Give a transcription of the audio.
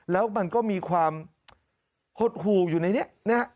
แล้วมันก็มีความหดหู่อยู่ในนี้นะฮะ